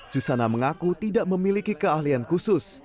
jusana mengaku tidak memiliki keahlian khusus